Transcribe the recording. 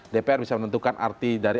dpr bisa menentukan arti dari